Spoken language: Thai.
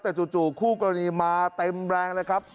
แต่จู่คู่กรณีมาเต็มแรงเลยครับ